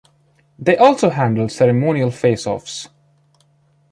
They also handled ceremonial face-offs.